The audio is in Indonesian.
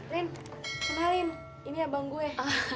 rin kenalin ini abang gue